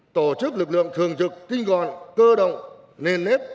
tổ chức lực lượng thường trực tinh gọn cơ động nền nếp